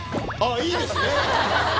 いいですね。